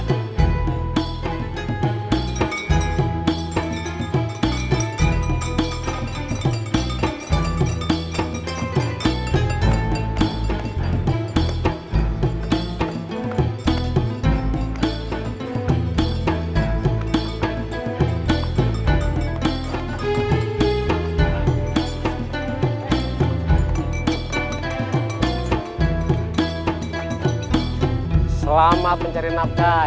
kau hai selama pencari nafkah